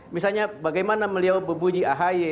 misalnya bagaimana beliau bebuji ahy